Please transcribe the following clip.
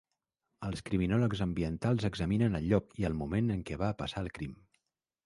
Els criminòlegs ambientals examinen el lloc i el moment en què va passar el crim.